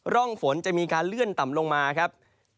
ร่องฝนจะมีการเลื่อนต่ำลงมาครับ